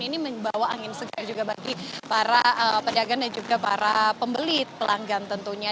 ini membawa angin segar juga bagi para pedagang dan juga para pembeli pelanggan tentunya